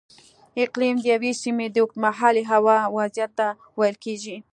اقلیم د یوې سیمې د اوږدمهالې هوا وضعیت ته ویل کېږي.